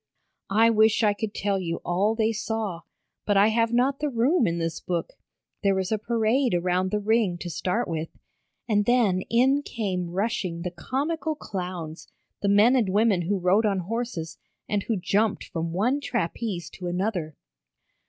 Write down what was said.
I wish I could tell you all they saw, but I have not the room in this book. There was a parade around the ring to start with, and then in came rushing the comical clowns, the men and women who rode on horses and who jumped from one trapeze to another.